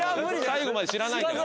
最後まで知らないから。